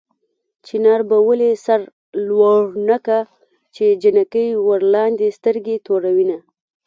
چنار به ولې سر لوړ نه کا چې جنکۍ ورلاندې سترګې توروينه